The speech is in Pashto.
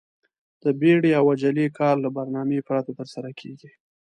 د بيړې او عجلې کار له برنامې پرته ترسره کېږي.